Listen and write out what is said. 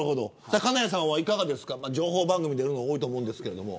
金谷さんはいかがですか情報番組多いと思いますが。